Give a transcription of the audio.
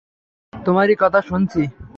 তোমারই কথা শুনছি।